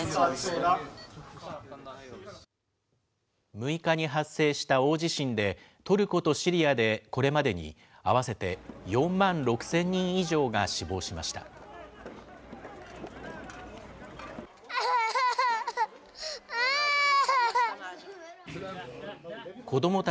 ６日に発生した大地震で、トルコとシリアで、これまでに合わせて４万６０００人以上が死亡しました。